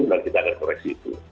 dan kita akan koreksi itu